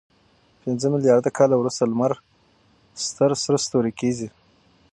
پنځه میلیارد کاله وروسته لمر ستر سره ستوری کېږي.